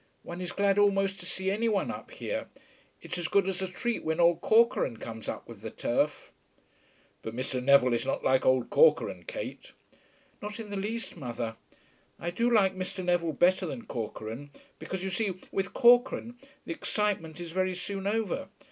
One is glad almost to see any one up here. It's as good as a treat when old Corcoran comes up with the turf." "But Mr. Neville is not like old Corcoran, Kate." "Not in the least, mother. I do like Mr. Neville better than Corcoran, because you see with Corcoran the excitement is very soon over.